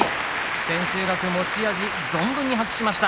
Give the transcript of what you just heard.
千秋楽、持ち味を存分に発揮しました。